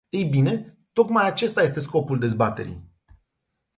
Ei bine, tocmai acesta este scopul dezbaterii!